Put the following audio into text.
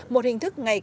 một hình thức ngạch